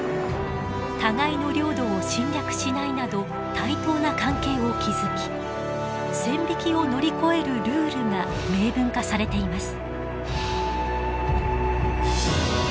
「互いの領土を侵略しない」など対等な関係を築き線引きを乗り越えるルールが明文化されています。